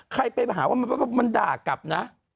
ใครไปหาว่ามันด่ากลับนะ